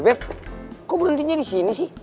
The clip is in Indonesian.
beb kok berhentinya disini sih